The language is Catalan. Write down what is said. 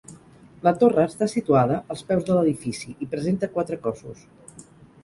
La torre està situada als peus de l'edifici, i presenta quatre cossos.